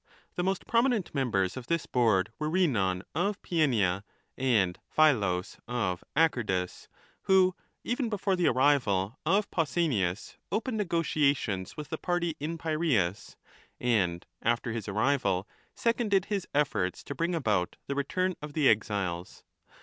The most prominent members of this board were Rhinon of Paeania and Phayllus of Acherdus, who, even before the arrival of Pausanias, opened negotiations with the party in Piraeus, and after his arrival seconded his efforts to bring about the return of the exiles.